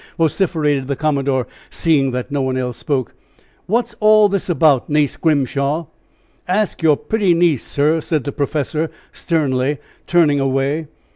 vociferated the commodore, seeing that no one else spoke; "what's all this about, Nace Grimshaw?" "Ask your pretty niece, sir!" said the professor, sternly, turning away.